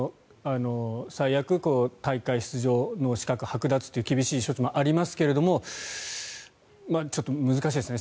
最悪、大会出場の資格はく奪という厳しい処置もありますがちょっと難しいですね